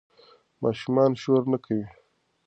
ماشومان شور نه کوي.